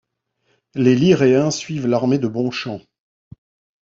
Les Liréens suivent l’armée de Bonchamp.